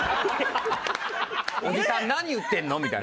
おじさん何言ってんの？みたいな。